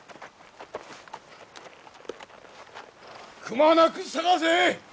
くまなく捜せ！